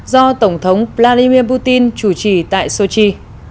do tổng thống vladimir putin chủ trì tại sochi